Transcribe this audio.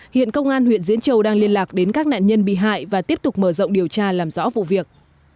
hiện công an huyện diễn châu đang liên lạc đến các nạn nhân bị hại và tiếp tục mở rộng điều tra làm rõ vụ việc